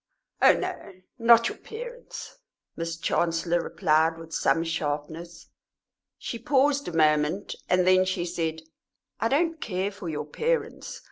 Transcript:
"Oh no, not your parents," Miss Chancellor replied, with some sharpness. She paused a moment, and then she said: "I don't care for your parents.